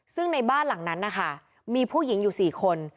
ซึ่งในบ้านหลังนั้นนะคะมีผู้หญิงอยู่๔คน